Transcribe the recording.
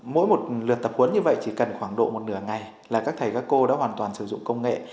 mỗi một lượt tập huấn như vậy chỉ cần khoảng độ một nửa ngày là các thầy các cô đã hoàn toàn sử dụng công nghệ